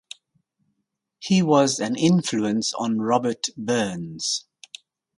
He was an influence on Robert Burns.